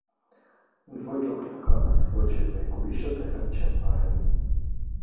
Ինձ ոչ օգնականս, ոչ էլ մեկ ուրիշը տեղյակ չեն պահել։